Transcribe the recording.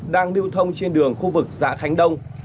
đang lưu thông trên đường khu vực dạ khánh đông